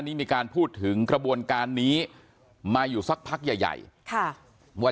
มีการพูดถึงกระบวนการนี้มาอยู่สักพักใหญ่ใหญ่ค่ะว่า